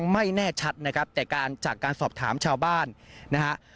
ไม่แน่ชัดนะครับแต่การจากการสอบถามชาวบ้านนะฮะ